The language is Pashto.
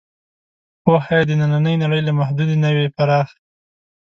پوهه یې د نننۍ نړۍ له محدودې نه وي پراخ.